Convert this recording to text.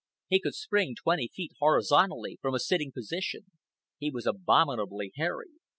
He could spring twenty feet horizontally from a sitting position. He was abominably hairy.